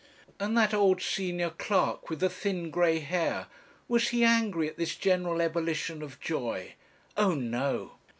"And that old senior clerk with the thin grey hair was he angry at this general ebullition of joy? O no!